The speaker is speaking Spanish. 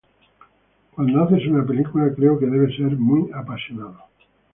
Cuando haces una película, creo que debes ser muy apasionado.